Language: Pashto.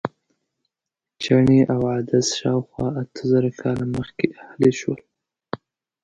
چڼې او عدس شاوخوا اته زره کاله مخکې اهلي شول.